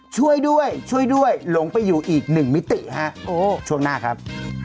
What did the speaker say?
ช่วยด้วยช่วยด้วยหลงไปอยู่อีกหนึ่งมิติฮะโอ้ช่วงหน้าครับ